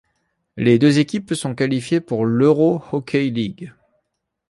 Les deux équipes sont qualifiées pour l'Euro Hockey League.